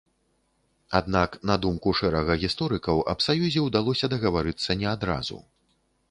Аднак, на думку шэрага гісторыкаў, аб саюзе ўдалося дагаварыцца не адразу.